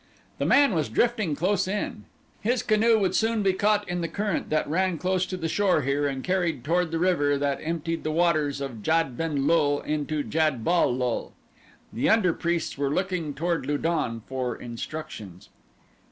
The man was drifting close in. His canoe would soon be caught in the current that ran close to shore here and carried toward the river that emptied the waters of Jad ben lul into Jad bal lul. The under priests were looking toward Lu don for instructions.